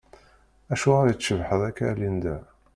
Acuɣeṛ i tcebbḥeḍ akka a Linda?